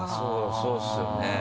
そうですよね。